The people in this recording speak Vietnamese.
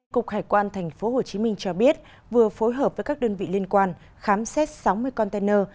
cục hải quan tp hcm cho biết vừa phối hợp với các đơn vị liên quan khám xét sáu mươi container